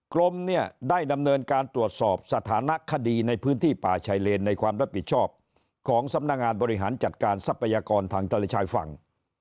กรมเนี่ยได้ดำเนินการตรวจสอบสถานะคดีในพื้นที่ป่าชายเลนในความรับผิดชอบของสำนักงานบริหารจัดการทรัพยากรทางทะเลชายฝั่ง